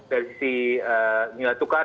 dari sisi nilai tukar